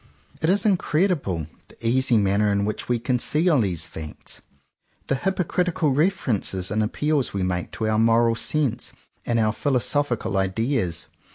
It is incredible, — the easy manner in which we conceal these facts, the hypo critical references and appeals we make to our moral sense and our philosophical ideas.